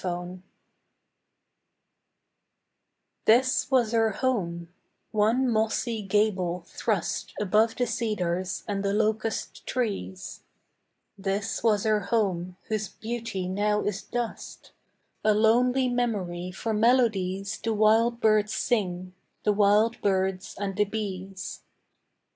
PHANTOMS This was her home; one mossy gable thrust Above the cedars and the locust trees: This was her home, whose beauty now is dust, A lonely memory for melodies The wild birds sing, the wild birds and the bees.